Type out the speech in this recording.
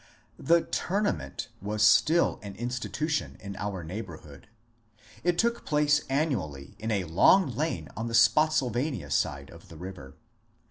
The Tournament was still an institution in our neighbour hood. It took place annually in a long lane on the Spottsyl vania side of the river.